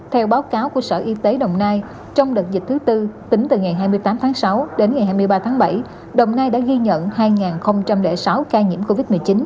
theo báo cáo của sở y tế đồng nai trong đợt dịch thứ tư tính từ ngày hai mươi tám tháng sáu đến ngày hai mươi ba tháng bảy đồng nai đã ghi nhận hai sáu ca nhiễm covid một mươi chín